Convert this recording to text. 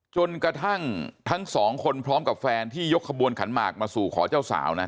จนกระทั่งทั้งสองคนพร้อมกับแฟนที่ยกขบวนขันหมากมาสู่ขอเจ้าสาวนะ